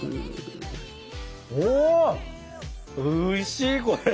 おおいしいこれ。